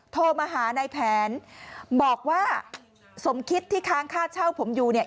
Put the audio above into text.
โทรมาหาในแผนบอกว่าสมคิดที่ค้างค่าเช่าผมอยู่เนี่ย